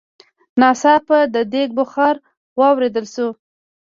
ناڅاپه د ديګ بخار واورېدل شو.